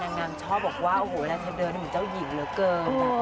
นางงามชอบบอกว่าโอ้โหเวลาเธอเดินเหมือนเจ้าหญิงเหลือเกิน